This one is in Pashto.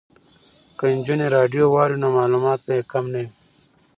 که نجونې راډیو واوري نو معلومات به یې کم نه وي.